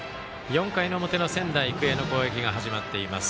４回の表の仙台育英の攻撃が始まっています。